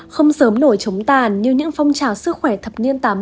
không sớm nổi chống tàn như những phong trào sức khỏe thập niên tám mươi